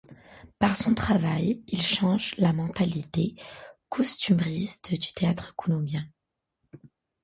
Par son travail il change la mentalité costumbriste du théâtre colombien.